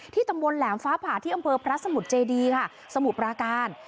ตำบลแหลมฟ้าผ่าที่อำเภอพระสมุทรเจดีค่ะสมุทรปราการ